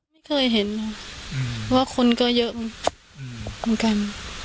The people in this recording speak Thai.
ไม่เคยเห็นค่ะว่าคนก็เยอะเหมือนกัน